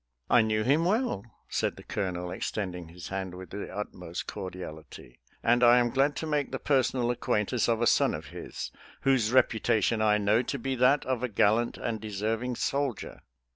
"I knew him well," said the Colonel, extend ing his hand with the utmost cordiality. " And I am glad to make the personal acquaintance of a son of his, whose reputation I know to be that of a gallant and deserving soldier."